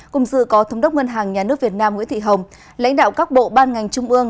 cùng dự có thống đốc ngân hàng nhà nước việt nam nguyễn thị hồng lãnh đạo các bộ ban ngành trung ương